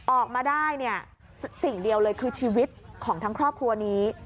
ออกมาได้เนี่ยสิ่งเดียวเลยคือชีวิตของทั้งครอบครัวนี้